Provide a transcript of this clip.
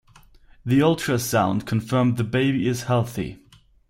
The ultrasound confirmed the baby is healthy.